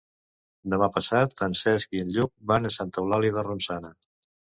Demà passat en Cesc i en Lluc van a Santa Eulàlia de Ronçana.